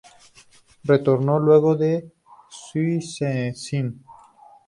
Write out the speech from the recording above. Retornó luego a Szczecin.